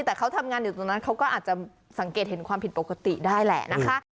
แต่เขาทำงานอยู่ตรงนั้นเขาก็อาจจะสังเกตเห็นความผิดปกติได้แหละนะคะ